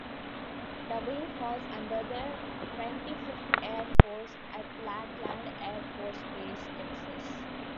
The wing falls under the Twenty-Fifth Air Force at Lackland Air Force Base, Texas.